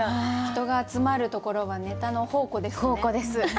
人が集まるところはネタの宝庫ですね。